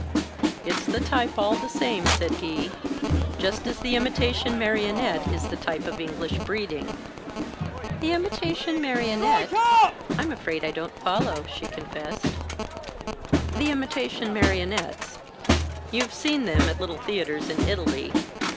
"It's the type, all the same," said he. "Just as the imitation marionette is the type of English breeding." "The imitation marionette? I'm afraid I don't follow," she confessed. "The imitation marionettes. You've seen them at little theatres in Italy.